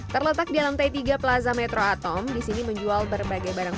terletak di lantai tiga plaza metro beginning password